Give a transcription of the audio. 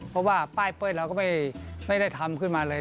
เพราะว่าป้ายเป้ยเราก็ไม่ได้ทำขึ้นมาเลย